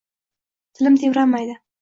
Tilim tebranmaydi